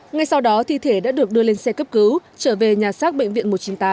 ngay sau đó thi thể đã được đưa lên xe cấp cứu trở về nhà xác bệnh viện một trăm chín mươi tám